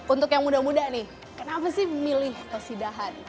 untuk yang muda muda nih kenapa sih memilih kasidahan